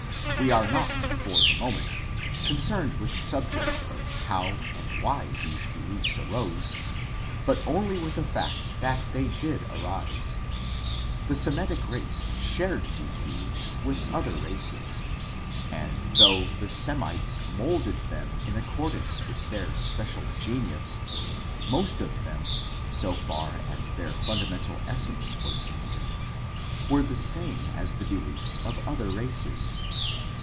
We are not, for the moment, concerned with the subject of how and why these beliefs arose, but only with the fact that they did arise. The Semitic race shared these beliefs with other races ; and though the Semites moulded them in accordance with their special genius, most of them, so far as their funda mental essence was concerned, were the same as the beliefs of other races.